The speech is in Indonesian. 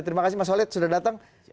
terima kasih mas holed sudah datang